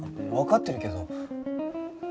わかってるけど。